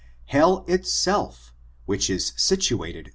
Hell, itself, which is situated